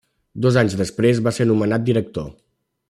Dos anys després, va ser nomenat director.